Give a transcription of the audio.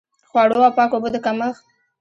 خوړو او پاکو اوبو د کمښت.